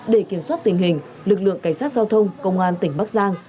để kiểm soát tình hình lực lượng cảnh sát giao thông công an tỉnh bắc giang